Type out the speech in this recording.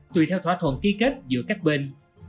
tùy theo thỏa thuận ký kết giữa các bên